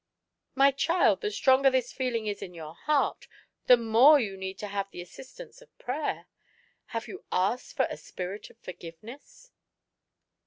" My child, the stronger this feeling is in your heart, the more need you have of the assistance of prayer. Have you asked for a spirit of forgiveness